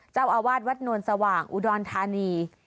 เจ้าอาวาสวัดนวลสว่างอุดรธานี